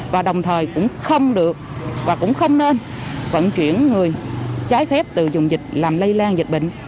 và đồng thời cũng không được và cũng không nên vận chuyển người trái phép từ dùng dịch làm lây lan dịch bệnh